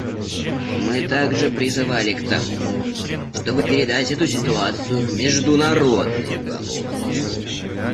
Мы также призывали к тому, чтобы передать эту ситуацию в Международный уголовный суд.